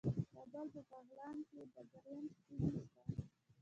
د کابل په پغمان کې د ګرانیټ تیږې شته.